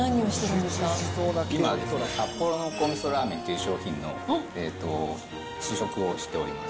今、札幌濃厚味噌ラーメンという商品があって、試食をしております。